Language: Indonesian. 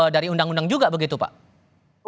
dari undang undang juga begitu pak